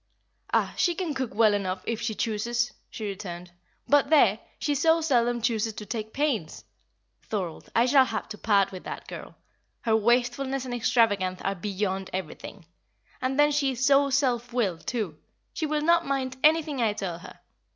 "Ah, she can cook well enough if she chooses," she returned, "but there! she so seldom chooses to take pains. Thorold, I shall have to part with that girl; her wastefulness and extravagance are beyond everything. And then she is so self willed, too she will not mind anything I tell her.